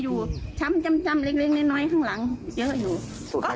อยู่ช้ำเล็กน้อยข้างหลังเยอะอยู่ก็